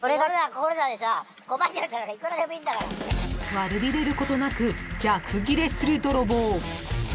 ［悪びれることなく逆ギレするドロボー］